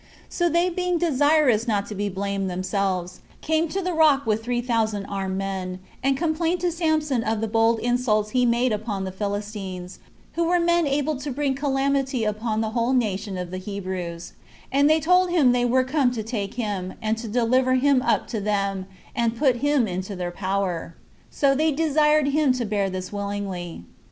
So they being desirous not to be blamed themselves, came to the rock with three thousand armed men, and complained to Samson of the bold insults he had made upon the Philistines, who were men able to bring calamity upon the whole nation of the Hebrews; and they told him they were come to take him, and to deliver him up to them, and put him into their power; so they desired him to bear this willingly.